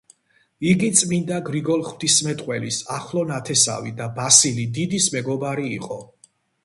იგი წმინდა გრიგოლ ღვთისმეტყველის ახლო ნათესავი და ბასილი დიდის მეგობარი იყო.